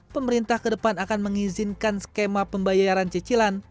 pemerintah ke depan akan mengizinkan skema pembayaran cicilan